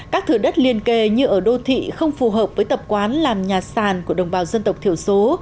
các thửa đất liên kề như ở đô thị không phù hợp với tập quán làm nhà sàn của đồng bào dân tộc thiểu số